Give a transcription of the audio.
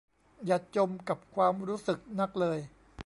อย่าจมกับความรู้สึกนักเลย